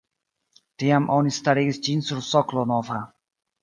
Tiam oni starigis ĝin sur soklo nova.